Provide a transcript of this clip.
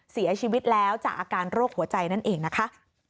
เสียชีวิตแล้วจากอาการโรคหัวใจนั่นเองนะคะ